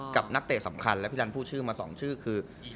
นักเตะสำคัญและพี่ดันพูดชื่อมา๒ชื่อคือ